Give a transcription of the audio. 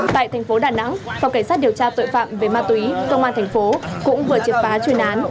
tại thành phố đà nẵng phòng cảnh sát điều tra tội phạm về ma túy công an thành phố cũng vừa triệt phá chuyên án